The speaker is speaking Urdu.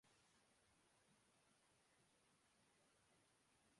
جتنا کہ اپنا۔